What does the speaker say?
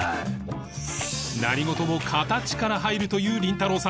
何事も形から入るというりんたろー。